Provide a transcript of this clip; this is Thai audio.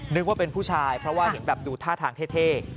นึกว่าเป็นผู้ชายเพราะว่าเห็นแบบดูท่าทางเท่